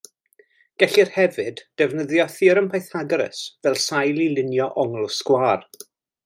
Gellir, hefyd, ddefnyddio Theorem Pythagoras fel sail i lunio ongl sgwâr.